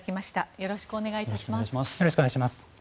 よろしくお願いします。